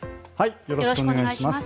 よろしくお願いします。